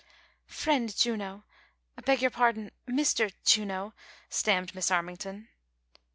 " Friend Juno, beg your pardon, Mr. Juno," stammered Miss Armington.